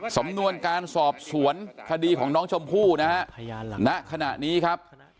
สำนวนการสอบสวนคดีของน้องชมพู่นะฮะณขณะนี้ครับ